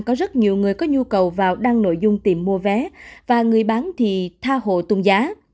có rất nhiều người có nhu cầu vào đăng nội dung tìm mua vé và người bán thì tha hồ tùng giá